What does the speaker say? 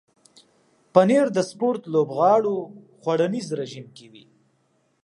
پنېر د سپورت لوبغاړو خوړنیز رژیم کې وي.